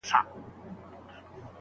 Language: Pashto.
مثبت تاثیرات مو په فکر کي وساتئ.